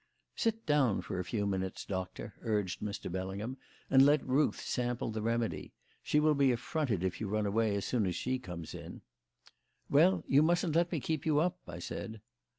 "Sit down for a few minutes, Doctor," urged Mr. Bellingham, "and let Ruth sample the remedy. She will be affronted if you run away as soon as she comes in." "Well, you mustn't let me keep you up," I said.